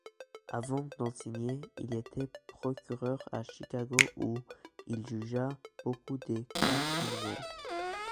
Avant d'enseigner, il était procureur à Chicago où il jugea beaucoup de cas criminels.